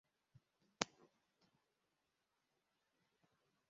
Umukinnyi wa tennis wumugore arimo gukubita kamera